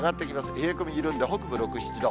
冷え込み緩んで、北部６、７度。